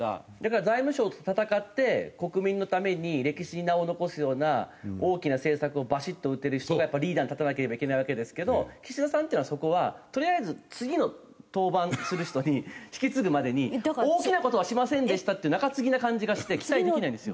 財務省と戦って国民のために歴史に名を残すような大きな政策をバシッと打てる人がリーダーに立たなければいけないわけですけど岸田さんっていうのはそこはとりあえず次の登板する人に引き継ぐまでに大きな事はしませんでしたっていう中継ぎな感じがして期待できないんですよ。